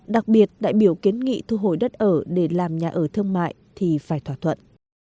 đặc biệt đại biểu kiến nghị thu hồi đất ở để làm nhà ở thương mại thì phải thỏa thuận